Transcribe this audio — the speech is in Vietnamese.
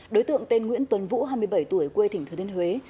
đối tượng tên nguyễn tuấn vũ hai mươi bảy tuổi quê thỉnh thừa thiên huế